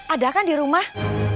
ada kan di rumah